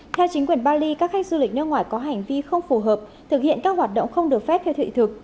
theo chính quyền bali các khách du lịch nước ngoài có hành vi không phù hợp thực hiện các hoạt động không được phép theo thị thực